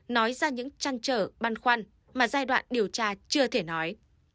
nói ra những chăn trở băn khoăn mà giai đoạn điều tra chưa thể nói